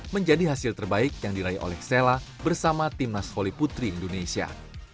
menjadi hasil terbaik yang diraih oleh sella bersama timnas voli putri indonesia